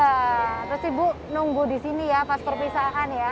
nah terus ibu nunggu di sini ya pas perpisahan ya